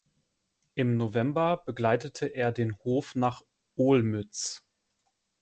Im November begleitete er den Hof nach Olmütz.